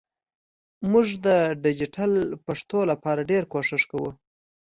مونږ د ډیجېټل پښتو لپاره ډېر کوښښ کوو